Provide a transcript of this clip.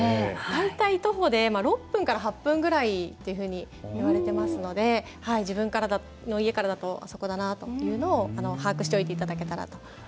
大体、徒歩で６分から８分ぐらいといわれていますので自分の家からだとあそこだなというのを把握しておいていただければ。